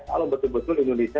kalau betul betul indonesia